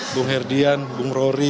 bung herdian bung rory